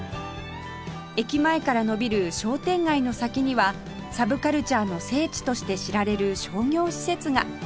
駅前から延びる商店街の先にはサブカルチャーの聖地として知られる商業施設が